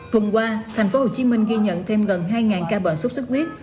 thuần qua tp hcm ghi nhận thêm gần hai ca bệnh sốt sốt huyết